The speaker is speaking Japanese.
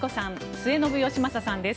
末延吉正さんです。